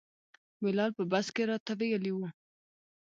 بلال په بس کې راته ویلي وو.